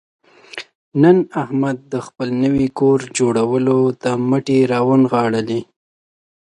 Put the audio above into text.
نن احمد د خپل نوي کور جوړولو ته مټې را ونغاړلې.